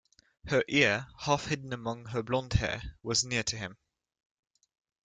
Her ear, half-hidden among her blonde hair, was near to him.